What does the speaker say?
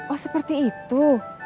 oh seperti itu